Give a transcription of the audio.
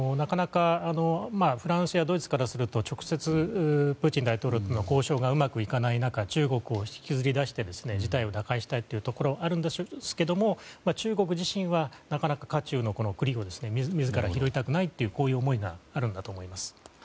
フランスやドイツからすると直接、プーチン大統領の交渉がうまくいかない中中国を引きずり出して事態を打開したいというところがあるんですが中国自身はなかなか火中の栗を自ら拾いたくないという思いがあるんだと思います。